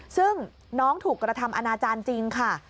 ซึ่งน้องถูกกระทำอนาจารย์จริงค่ะ